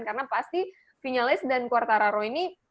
karena pasti vinyales dan quartararo ini